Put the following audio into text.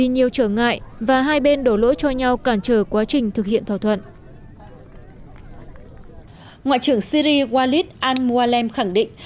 ngoại trưởng syri walid al mualem khẳng định